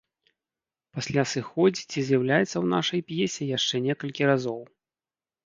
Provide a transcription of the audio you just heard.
Пасля сыходзіць і з'яўляецца ў нашай п'есе яшчэ некалькі разоў.